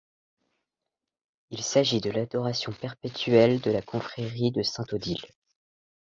Il s'agit de l'Adoration perpétuelle de la Confrérie de Sainte-Odile.